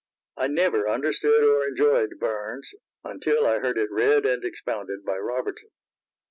I never understood or enjoyed Burns until I heard it read and expounded by Robertson.